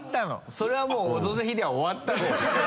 それはもう「オドぜひ」では終わったのよ。